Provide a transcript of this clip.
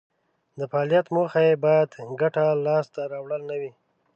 د فعالیت موخه یې باید ګټه لاس ته راوړل نه وي.